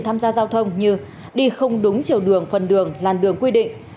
tham gia giao thông như đi không đúng chiều đường phần đường làn đường quy định